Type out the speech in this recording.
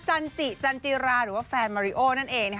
จันจิจันจิราหรือว่าแฟนมาริโอนั่นเอง